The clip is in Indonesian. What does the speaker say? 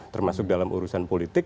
termasuk dalam urusan politik